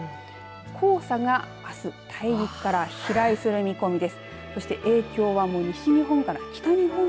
黄砂があす大陸から飛来する見込みで。